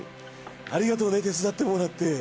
ありがとうね手伝ってもらって。